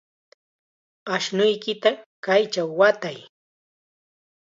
Ashnuykita kaychaw watay.